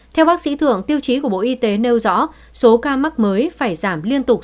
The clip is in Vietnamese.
theo bác sĩ thưởng tiêu chí của bộ y tế nêu rõ số ca mắc mới phải giảm liên tục